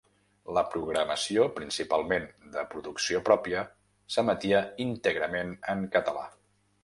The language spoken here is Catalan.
La programació, principalment de producció pròpia, s'emetia íntegrament en català.